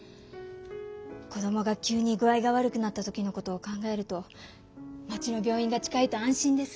こどもが急に具合が悪くなったときのことを考えると町の病院が近いと安心です。